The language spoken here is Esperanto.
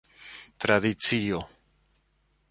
tradicio